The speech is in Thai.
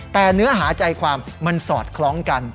แต่เนื้อหาใจความมันสอดคล้องกัน